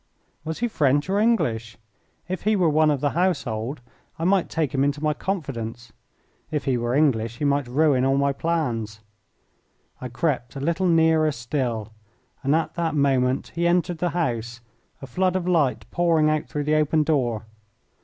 Was he French or English? If he were one of the household I might take him into my confidence. If he were English he might ruin all my plans. I crept a little nearer still, and at that moment he entered the house, a flood of light pouring out through the open door.